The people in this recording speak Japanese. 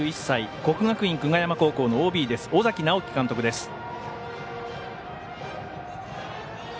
３１歳国学院久我山高校のＯＢ尾崎直輝監督です。